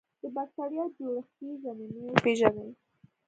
د بکټریا جوړښتي ضمیمې وپیژني.